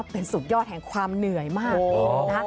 เป็นสุดยอดแห่งความเหนื่อยมากนะคะ